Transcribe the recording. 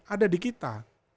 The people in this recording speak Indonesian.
ada di kita